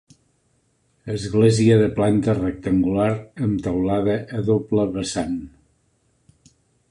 Església de planta rectangular amb teulada a doble vessant.